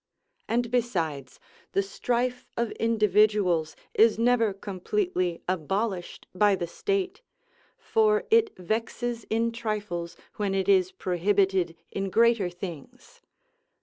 And besides, the strife of individuals is never completely abolished by the state, for it vexes in trifles when it is prohibited in greater things.